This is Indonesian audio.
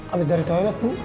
abis dari toilet bu